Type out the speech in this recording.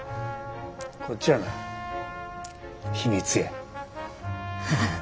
こっちはな秘密や。